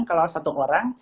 kalau satu orang